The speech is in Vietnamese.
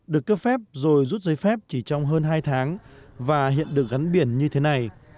được cấp phép rồi rút giấy phép chỉ trong hơn hai tháng và hiện được gắn biển như thế này